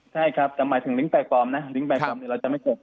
ใช่ครับแต่หมายถึงลิงค์แปลกฟอร์มนะลิงค์แปลกฟอร์มเนี่ยเราจะไม่กด